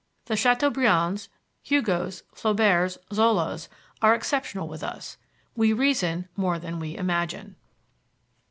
The Chateaubriands, Hugos, Flauberts, Zolas, are exceptional with us. We reason more than we imagine."